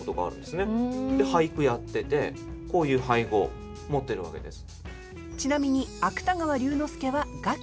で俳句やっててこういう俳号持ってるわけです。